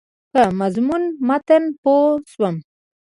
په مضمون متن پوه شوم.